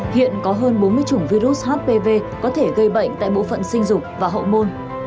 hiện có hơn bốn mươi chủng virus hpv có thể gây bệnh tại bộ phận sinh dục và hậu môn